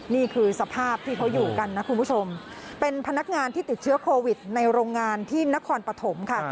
นี่คือสภาพที่เขาอยู่กันนะคุณผู้ชมเป็นพนักงานที่ติดเชื้อโควิดในโรงงานที่นครปฐมค่ะ